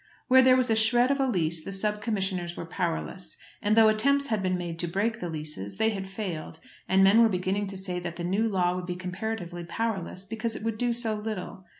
Where there was a shred of a lease the sub commissioners were powerless, and though attempts had been made to break the leases they had failed; and men were beginning to say that the new law would be comparatively powerless because it would do so little.